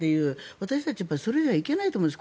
私たちそれじゃいけないと思うんです。